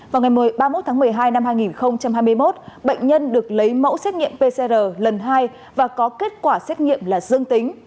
vào ngày ba mươi một tháng một mươi hai năm hai nghìn hai mươi một bệnh nhân được lấy mẫu xét nghiệm pcr lần hai và có kết quả xét nghiệm là dương tính